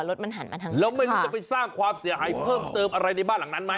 แล้วไม่รู้จะไปสร้างความเสียหายเพิ่มเติบอะไรในบ้านหลังนั้นไหม